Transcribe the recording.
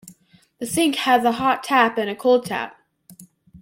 The sink has a hot tap and a cold tap